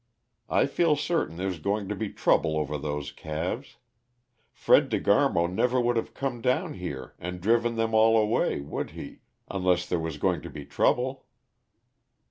I feel certain there's going to be trouble over those calves. Fred De Garmo never would have come down here and driven them all away, would he, unless there was going to be trouble?"